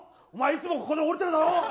お前いつもここで降りてるだろ！